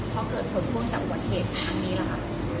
เพราะเกิดผลพุ่งจากอวดเหตุทางนี้แหละค่ะ